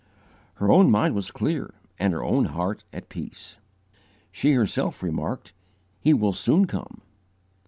Her own mind was clear and her own heart at peace. She herself remarked, "He will soon come."